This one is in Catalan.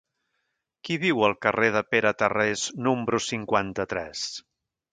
Qui viu al carrer de Pere Tarrés número cinquanta-tres?